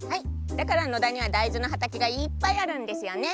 だからのだにはだいずのはたけがいっぱいあるんですよね。